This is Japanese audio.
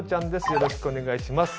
よろしくお願いします。